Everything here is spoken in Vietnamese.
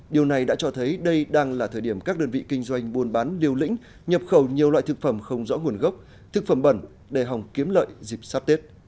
điều này đã cho thấy đây đang là thời điểm các đơn vị kinh doanh buôn bán liều lĩnh nhập khẩu nhiều loại thực phẩm không rõ nguồn gốc thực phẩm bẩn đề hòng kiếm lợi dịp sắp tết